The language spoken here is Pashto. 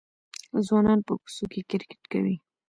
ځوانان په کوڅو کې کرکټ کوي.